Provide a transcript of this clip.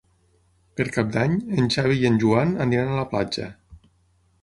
Per Cap d'Any en Xavi i en Joan aniran a la platja.